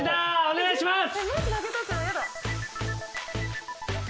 お願いします。